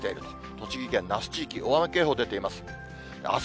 栃木県那須地域、大雨警報出ています。